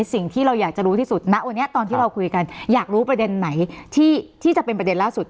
สิ่งที่เราอยากจะรู้ที่สุดณวันนี้ตอนที่เราคุยกันอยากรู้ประเด็นไหนที่จะเป็นประเด็นล่าสุด